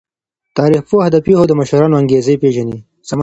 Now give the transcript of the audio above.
تاریخ پوه د پیښو د مشرانو انګیزې پیژني.